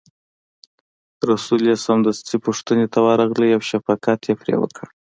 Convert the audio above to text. رسول یې سمدستي پوښتنې ته ورغی او شفقت یې پرې وکړ.